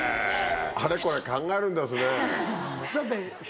あれこれ考えるんですね。